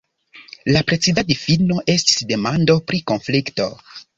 La preciza difino estis demando pri konflikto.